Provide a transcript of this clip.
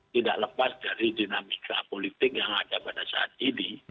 tidak lepas dari dinamika politik yang ada pada saat ini